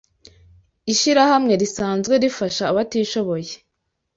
Ishirahamwe risanzwe rifasha abatishoboye